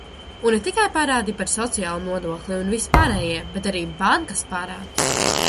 Un ne tikai parādi par sociālo nodokli un visi pārējie, bet arī bankas parāds!